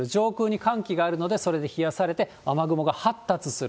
上空に寒気がするのでそれで冷やされて発達する。